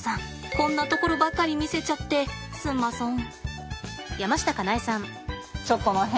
こんなところばかり見せちゃってすんまそん。